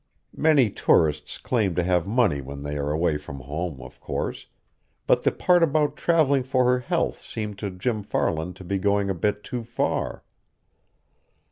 Many tourists claim to have money when they are away from home, of course, but the part about traveling for her health seemed to Jim Farland to be going a bit too far.